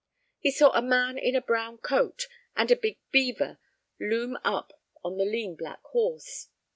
They saw a man in a brown coat and a big beaver loom up on a lean black horse.